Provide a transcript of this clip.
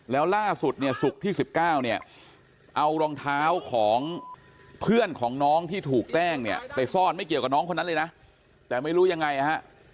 แล้วล่าสุดเนี่ยศุกร์ที่๑๙เนี่ยเอารองเท้าของเพื่อนของน้องที่ถูกแกล้งเนี่ยไปซ่อนไม่เกี่ยวกับน้องคนนั้นเลยนะแต่ไม่รู้ยังไงนะฮะ